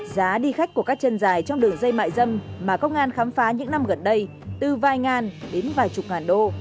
giá đi khách của các chân dài trong đường dây mại dâm mà công an khám phá những năm gần đây từ vài ngàn đến vài chục ngàn đô